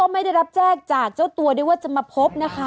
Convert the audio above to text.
ไม่ได้รับแจ้งจากเจ้าตัวด้วยว่าจะมาพบนะคะ